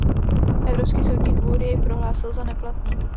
Evropský soudní dvůr jej prohlásil za neplatný.